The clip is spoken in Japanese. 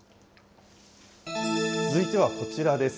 続いてはこちらです。